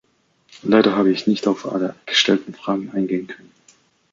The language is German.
Leider habe ich nicht auf alle gestellten Fragen eingehen können.